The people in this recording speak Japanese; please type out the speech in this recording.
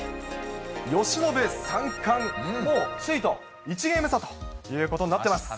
由伸３冠、もう首位と１ゲーム差ということになっています。